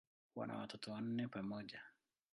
Wana watoto wanne pamoja.